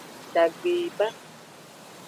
Dagbe yi ba.